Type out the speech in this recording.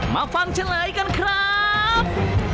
มาฟังเฉลยกันครับ